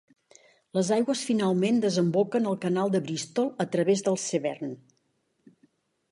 Les aigües finalment desemboquen al canal de Bristol a través del Severn.